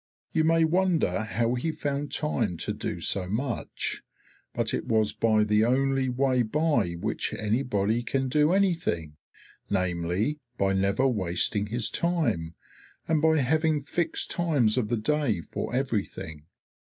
You may wonder how he found time to do so much; but it was by the only way by which anybody can do anything, namely, by never wasting his time, and by having fixed times of the day for everything.